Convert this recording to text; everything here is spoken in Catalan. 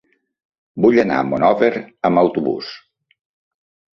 Vull anar a Monòver amb autobús.